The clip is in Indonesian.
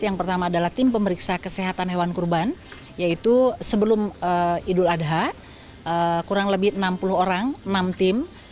yang pertama adalah tim pemeriksa kesehatan hewan kurban yaitu sebelum idul adha kurang lebih enam puluh orang enam tim